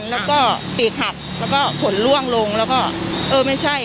แล้วก็ปีกหักแล้วก็ผลล่วงลงแล้วก็เออไม่ใช่